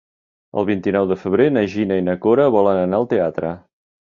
El vint-i-nou de febrer na Gina i na Cora volen anar al teatre.